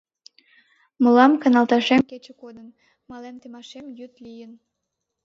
Мылам каналташем кече кодын, мален темашем йӱд лийын…